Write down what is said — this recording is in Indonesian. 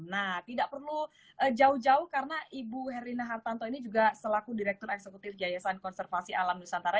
nah tidak perlu jauh jauh karena ibu herina hartanto ini juga selaku direktur eksekutif yayasan konservasi alam nusantara